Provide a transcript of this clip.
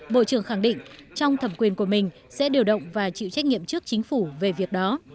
bộ trưởng khẳng định trong thẩm quyền của mình sẽ điều động và chịu trách nhiệm trước chính phủ về việc đó